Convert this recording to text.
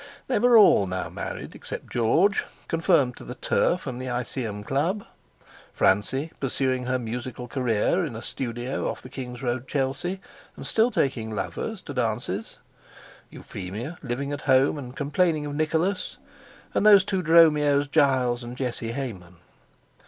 They were all now married, except George, confirmed to the Turf and the Iseeum Club; Francie, pursuing her musical career in a studio off the King's Road, Chelsea, and still taking "lovers" to dances; Euphemia, living at home and complaining of Nicholas; and those two Dromios, Giles and Jesse Hayman.